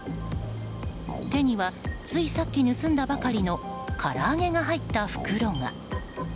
手にはついさっき盗んだばかりのから揚げが入った袋が。